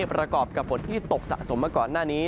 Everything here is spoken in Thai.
ประกอบกับฝนที่ตกสะสมมาก่อนหน้านี้